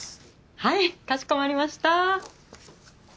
はいかしこまりました。